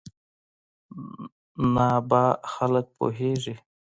نه ابا خلک پوېېږي.